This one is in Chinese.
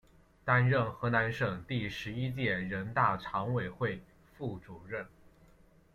担任河南省第十一届人大常委会副主任。